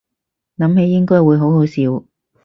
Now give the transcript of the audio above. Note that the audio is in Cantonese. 諗起應該會好好笑